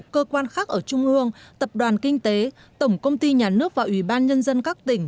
cơ quan khác ở trung ương tập đoàn kinh tế tổng công ty nhà nước và ủy ban nhân dân các tỉnh